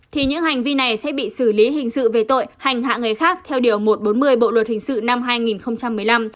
thì những hành vi này sẽ bị xử lý hình sự về tội hành hạ người khác theo điều một trăm bốn mươi bộ luật hình sự năm hai nghìn một mươi năm